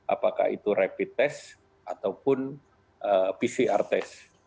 apakah itu rapid test ataupun pcr test